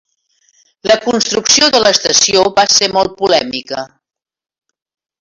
La construcció de l"estació va ser molt polèmica.